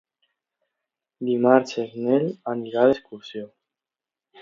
Dimarts en Nel anirà d'excursió.